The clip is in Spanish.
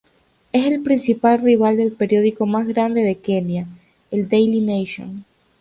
Es el principal rival del periódico más grande de Kenia, el Daily Nation.